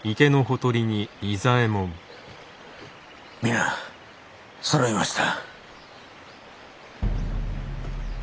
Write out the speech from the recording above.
皆そろいました。